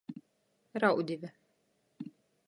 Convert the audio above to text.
Raudive.